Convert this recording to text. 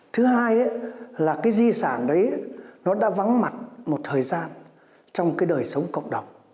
thứ hai là cái di sản đấy nó đã vắng mặt một thời gian trong cái đời sống cộng đồng